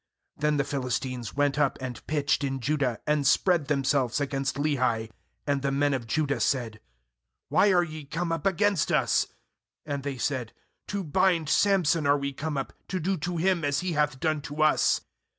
^Then the Philistines went up, and pitched in Judah, and spread them selves against Lehi. 10And the men of Judah said: 'Why are ye come up against us?' And they said: 'To bind Samson are we come up, to do to him as he hath done to us.'